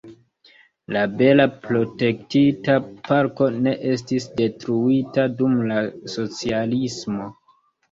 La bela protektita parko ne estis detruita dum la socialismo.